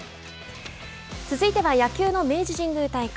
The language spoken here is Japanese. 続いては野球の明治神宮大会。